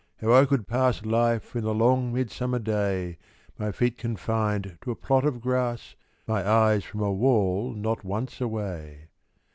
How I could pass Life in a long midsummer day, My feet confined to a plot of grass, My eyes from a wall not once away!